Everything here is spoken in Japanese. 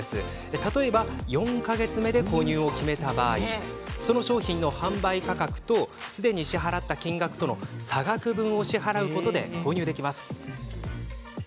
例えば、４か月目で購入を決めた場合その商品の販売価格とすでに支払った金額との差額分を支払うことで購入できます。